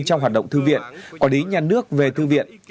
trong hoạt động thư viện quản lý nhà nước về thư viện